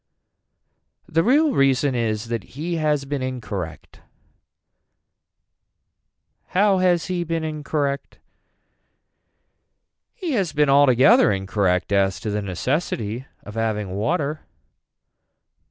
The real reason is that he has been incorrect. How has he been incorrect. He has been altogether incorrect as to the necessity of having water.